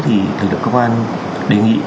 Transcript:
thực lượng công an đề nghị